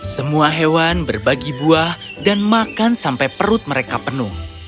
semua hewan berbagi buah dan makan sampai perut mereka penuh